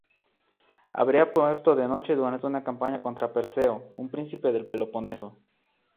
Habría muerto de noche durante una campaña contra Perseo, un príncipe del Peloponeso.